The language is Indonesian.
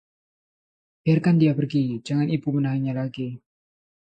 biarkan dia pergi, jangan Ibu menahannya lagi